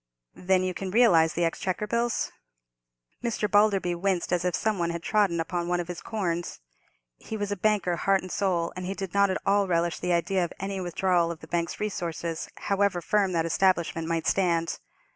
"Then you can realize the Exchequer bills?" Mr. Balderby winced as if some one had trodden upon one of his corns. He was a banker heart and soul, and he did not at all relish the idea of any withdrawal of the bank's resources, however firm that establishment might stand.